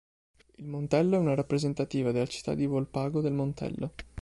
Il Montello è una rappresentativa della città di Volpago del Montello.